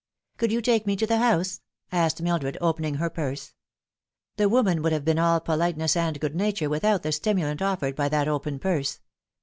" Could you take me to the house ?" asked Mildred, opening her purse. The woman would have been all politeness and good nature without the stimulant offered by that open purse.